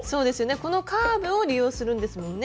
このカーブを利用するんですもんね。